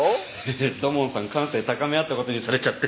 土門さん感性高め合った事にされちゃってるし。